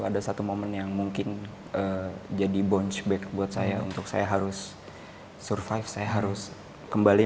ada satu momen yang mungkin jadi bonce back buat saya untuk saya harus survive saya harus kembali